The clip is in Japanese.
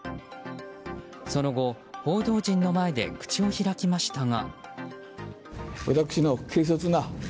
その後、報道陣の前で口を開きましたが。